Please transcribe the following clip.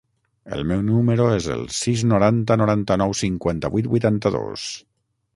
El meu número es el sis, noranta, noranta-nou, cinquanta-vuit, vuitanta-dos.